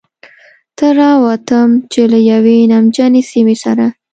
ته را ووتم، چې له یوې نمجنې سیمې سره.